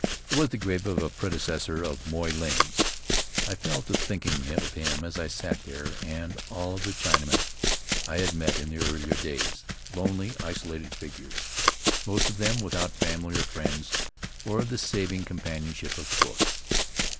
It was the grave of a predecessor of Moy Ling's. I fell to thinking of him as I sat there, and of all the Faery Lands of the South Seas Chinamen I had met in the earlier days, lonely, iso lated figures, most of them, without family or friends or the saving companionship of books.